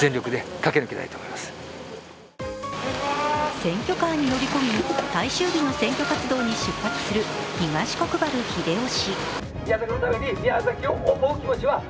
選挙カーに乗り込み最終日の選挙活動に出発する東国原英夫氏。